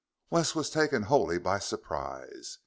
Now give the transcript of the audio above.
Wes was taken wholly by surprise.